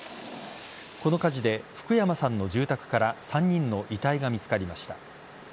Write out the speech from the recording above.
この火事で、福山さんの住宅から３人の遺体が見つかりました。